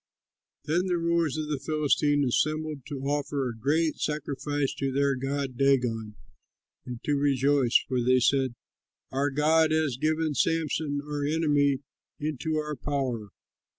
Then the rulers of the Philistines assembled to offer a great sacrifice to their god Dagon and to rejoice, for they said, "Our god has given Samson, our enemy, into our power."